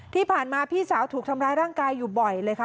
ที่ผ่านมาพี่สาวถูกทำร้ายร่างกายอยู่บ่อยเลยค่ะ